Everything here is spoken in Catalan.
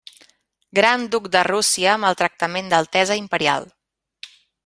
Gran duc de Rússia amb el tractament d'altesa imperial.